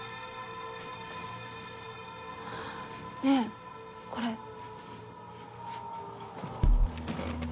ねえこれ。